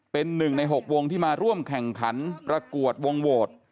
เป็นหนึ่งใน๖วงที่มาร่วมแข่งขันประกวดวงโหวต